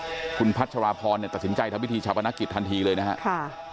ทอบครัวของคุณพัชราพรตักสินใจทำพิธีชับอนาคตกุลทันทีเลยนะครับ